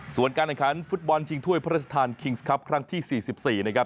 ส่วนการแข่งขันฟุตบอลชิงถ้วยพระราชทานคิงส์ครับครั้งที่๔๔นะครับ